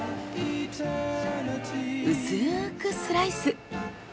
うすくスライス。